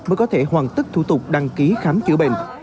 mới có thể hoàn tất thủ tục đăng ký khám chữa bệnh